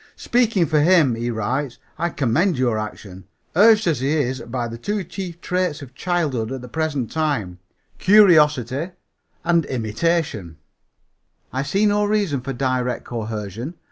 "Speaking for him," he writes, "I commend your action. Urged as he is by the two chief traits of childhood, at the present time curiosity and imitation I see no reason for direct coercion.